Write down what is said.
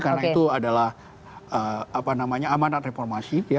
karena itu adalah apa namanya amanat reformasi ya